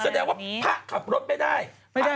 แสดงว่าพระขับรถไม่ได้